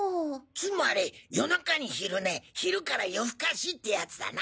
つまり夜中に昼寝昼から夜ふかしってやつだな。